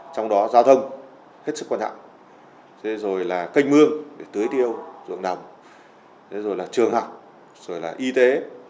trong đó giao thông hết sức quan trọng rồi là canh mương để tưới tiêu ruộng đồng rồi là trường học rồi là y tế